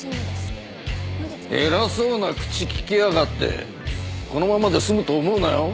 偉そうな口利きやがってこのままで済むと思うなよ。